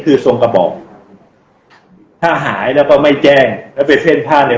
คือทรงกระบอกถ้าหายแล้วก็ไม่แจ้งแล้วไปเส้นผ้าเนี่ย